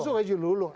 termasuk haji lolo